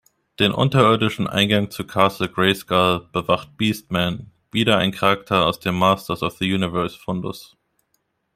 Den unterirdischen Eingang zu Castle Grayskull bewacht Beast-Man, wieder ein Charakter aus den Masters-of-the-Universe-Fundus.